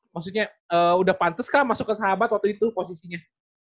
maksudnya udah pantes kah masuk ke sahabat waktu itu posisinya